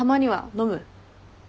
飲む。